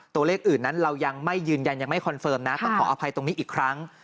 ตัวเลขอื่นนั้นเรายังไม่ยืนยันยังไม่คอนเฟิร์มนะต้องขออภัยตรงนี้อีกครั้ง